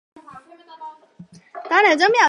全剧本工作由山口亮太担任。